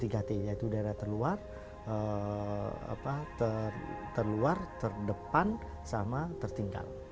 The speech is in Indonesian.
yaitu daerah terluar terluar terdepan sama tertinggal